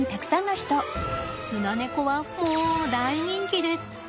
スナネコはもう大人気です。